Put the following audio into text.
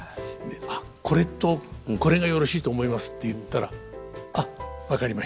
「あっこれとこれがよろしいと思います」って言ったら「あっ分かりました。